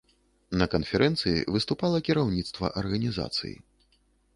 На канферэнцыі выступала кіраўніцтва арганізацыі.